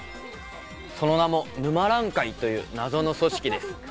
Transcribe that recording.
その名も沼蘭會という謎の組織です。